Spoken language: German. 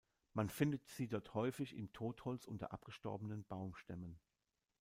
Man findet sie dort häufig im Totholz unter abgestorbenen Baumstämmen.